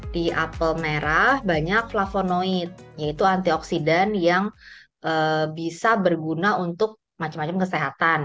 di apel merah banyak flavonoid yaitu antioksidan yang bisa berguna untuk macam macam kesehatan